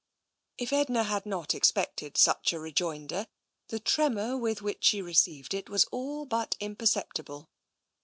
If Edna had not expected such a rejoinder, the tremor with which she received it was all but imper ceptible.